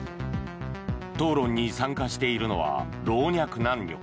討論に参加しているのは老若男女。